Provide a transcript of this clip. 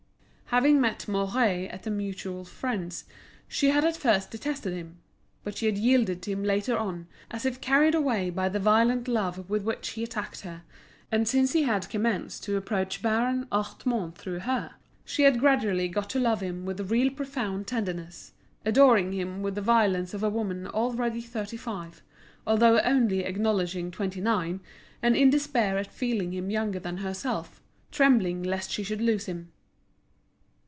Having met Mouret at a mutual friend's, she had at first detested him; but she had yielded to him later on, as if carried away by the violent love with which he attacked her, and since he had commenced to approach Baron Hartmann through her, she had gradually got to love him with a real profound tenderness, adoring him with the violence of a woman already thirty five, although only acknowledging twenty nine, and in despair at feeling him younger than herself, trembling lest she should lose him.